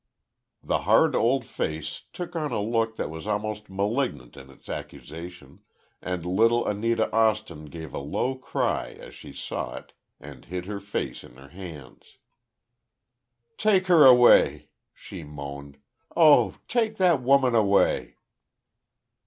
The hard old face took on a look that was almost malignant in its accusation, and little Anita Austin gave a low cry as she saw it, and hid her face in her hands. "Take her away," she moaned, "oh, take that woman away."